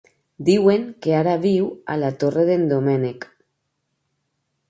Diuen que ara viu a la Torre d'en Doménec.